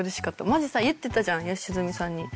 マジさ言ってたじゃん吉住さんに。